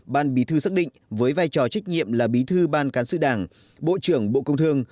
ban bí thư xác định với vai trò trách nhiệm là bí thư ban cán sự đảng bộ trưởng bộ công thương